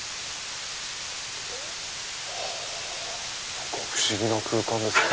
何か不思議な空間ですね。